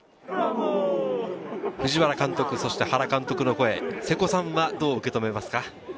藤原監督、原監督の声、瀬古さんはどう受け止めますか？